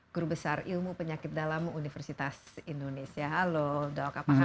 guru besar ilmu penyakit dalam universitas indonesia halo dok apa kabar